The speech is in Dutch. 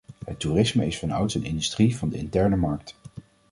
Het toerisme is vanouds een industrie van de interne markt.